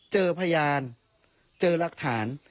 เจอพยานเจอรักฐาน